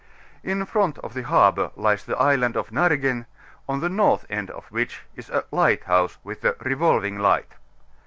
In mnt of the harbour lies the Island of Nargen, on the north end of which is a lighthouse, with a revolving light.